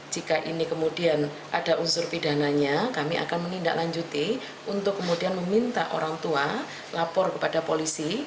jika ini kemudian ada unsur pidananya kami akan menindaklanjuti untuk kemudian meminta orang tua lapor kepada polisi